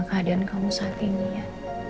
keadaan kamu saat ini ya